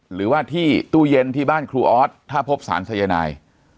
หรือว่าที่ตู้เย็นที่บ้านครูออสถ้าพบสารสายนาย